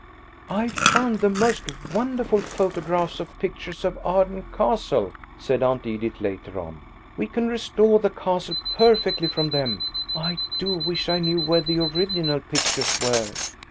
..... "I've found the most wonderful photographs of pictures of Arden Castle," said Aunt Edith, later on. "We can restore the castle perfectly from them. I do wish I knew where the original pictures were."